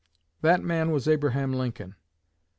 That man was Abraham Lincoln.